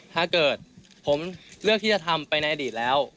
ถ้าเกิดผมเลือกที่จะทำไปในอดีตแล้ว